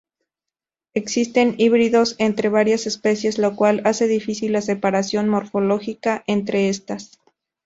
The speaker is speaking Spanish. Existen híbridos entre varias especies lo cual hace difícil la separación morfológica entre estas.